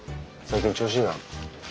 最近調子いいな。